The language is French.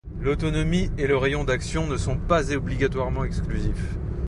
L'autonomie et le rayon d'action ne sont pas obligatoirement exclusifs.